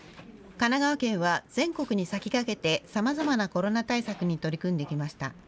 神奈川県は全国に先駆けてさまざまなコロナ対策に取り組んできました。